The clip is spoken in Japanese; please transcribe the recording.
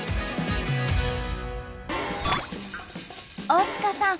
大塚さん